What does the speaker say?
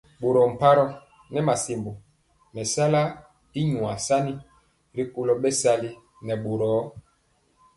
Boro pmaroo nɛ masiembö mesala y nyuar sani rikolo bɛsali nɛ boro.